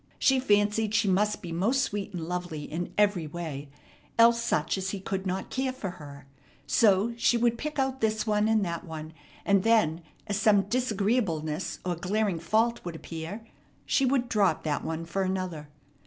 She fancied she must be most sweet and lovely in every way, else such as he could not care for her; so she would pick out this one and that one; and then, as some disagreeableness or glaring fault would appear, she would drop that one for another.